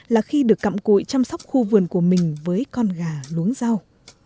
là khi được cặm cội chăm sóc khu vườn của mình với con gà luống rau